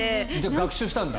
学習したんだ。